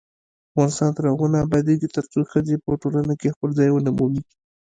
افغانستان تر هغو نه ابادیږي، ترڅو ښځې په ټولنه کې خپل ځای ونه مومي.